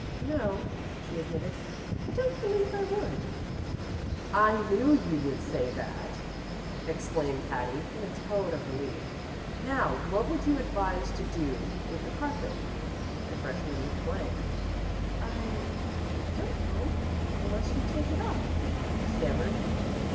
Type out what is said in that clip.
"No," she admitted; "I don't believe it would." "I knew you would say that!" exclaimed Patty, in a tone of relief. "Now what would you advise us to do with the carpet?" The freshman looked blank. "I I don't know, unless you take it up," she stammered.